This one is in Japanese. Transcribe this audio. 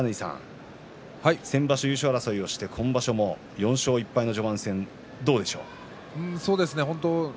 先場所、優勝争いをして今場所も４勝１敗の序盤戦はどうでしょうか。